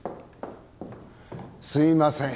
すいません。